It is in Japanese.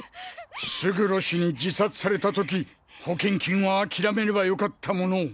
勝呂氏に自殺された時保険金は諦めればよかったものを。